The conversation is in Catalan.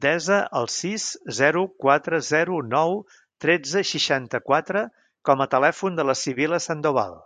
Desa el sis, zero, quatre, zero, nou, tretze, seixanta-quatre com a telèfon de la Sibil·la Sandoval.